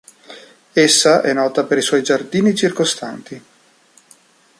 Essa è nota per i suoi giardini circostanti.